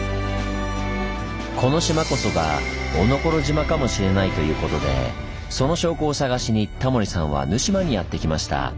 この島こそが「おのころ島」かもしれないということでその証拠を探しにタモリさんは沼島にやって来ました。